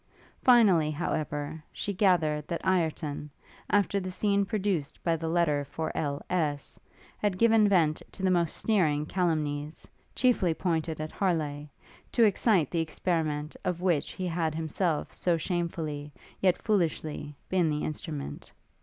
Finally, however, she gathered, that Ireton, after the scene produced by the letter for L.S., had given vent to the most sneering calumnies, chiefly pointed at Harleigh, to excite the experiment of which he had himself so shamefully, yet foolishly, been the instrument.